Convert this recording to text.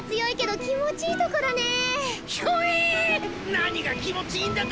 何が気持ちいいんだか！